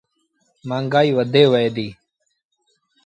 مآݩگآئيٚ وڌي وهي ديٚ۔